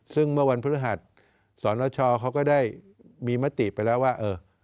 ซึ่งเมื่อวันพฤหัสสนชเขาก็ได้มีมติไปแล้วว่าเออ